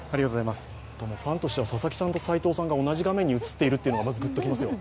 ファンとしては佐々木さんと斎藤さんが同じ画面に映っているのがまずグッと来ますよ。